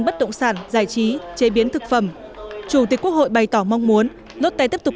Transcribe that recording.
bất động sản giải trí chế biến thực phẩm chủ tịch quốc hội bày tỏ mong muốn lót tay tiếp tục